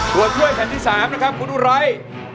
ตัวช่วยแผ่นที่๓นะครับคุณอุไร